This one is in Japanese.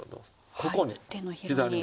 ここに左に。